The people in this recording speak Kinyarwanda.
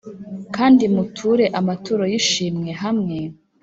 Kandi Muture Amaturo Y Ishimwe Hamwe